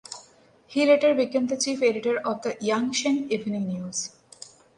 He later became the chief editor of the "Yangcheng Evening News".